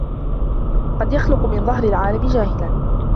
قد يخلق من ظهر العالم جاهلاً